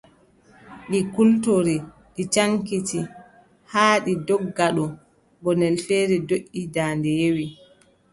Ɗi kultori, ɗi caŋkiti, haa ɗi ndogga ɗo, gonnel feere doʼi, daande yewi.